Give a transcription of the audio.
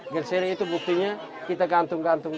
gerseling itu buktinya kita gantung gantung